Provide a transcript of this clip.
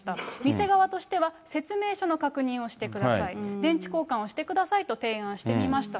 店側としては、説明書の確認をしてください、電池交換をしてくださいと提案してみました。